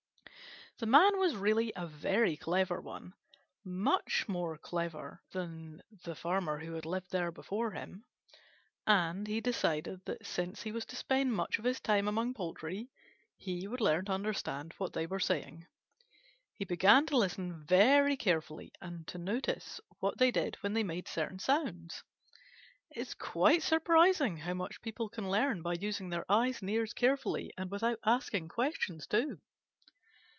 The Man was really a very clever one, much more clever than the Farmer who had lived there before him, and he decided that since he was to spend much of his time among poultry, he would learn to understand what they were saying. He began to listen very carefully and to notice what they did when they made certain sounds. It is quite surprising how much people can learn by using their eyes and ears carefully, and without asking questions, too.